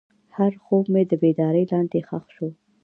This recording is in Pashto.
هر خوب مې د بیدارۍ لاندې ښخ شو.